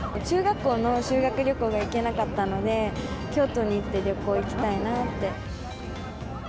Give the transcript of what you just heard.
中学校の修学旅行が行けなかったので、京都に行って旅行行きたいなって。